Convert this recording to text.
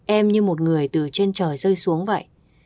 em như một người từ trên trời rơi xuống vậy